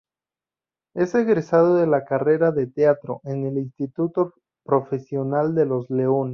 Es egresado de la carrera de teatro en el Instituto Profesional Los Leones.